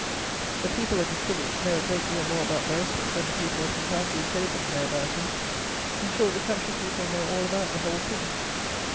The people of this village know a great deal more about Beresford than the people of St. Andrew's, Holborn, know about him. In short, the country people know all about the whole thing.